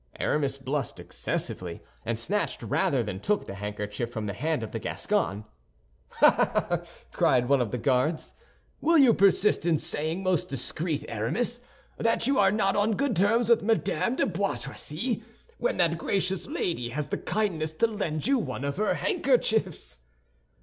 Aramis blushed excessively, and snatched rather than took the handkerchief from the hand of the Gascon. "Ah, ah!" cried one of the Guards, "will you persist in saying, most discreet Aramis, that you are not on good terms with Madame de Bois Tracy, when that gracious lady has the kindness to lend you one of her handkerchiefs?"